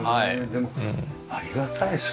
でもありがたいですね。